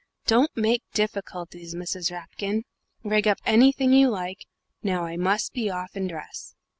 Don't make difficulties, Mrs. Rapkin. Rig up anything you like.... Now I must be off and dress."